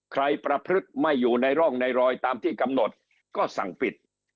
ประพฤกษ์ไม่อยู่ในร่องในรอยตามที่กำหนดก็สั่งปิด